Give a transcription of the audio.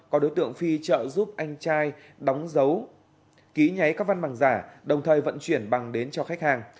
có đối tượng phi trợ giúp anh trai đóng ký nháy các văn bằng giả đồng thời vận chuyển bằng đến cho khách hàng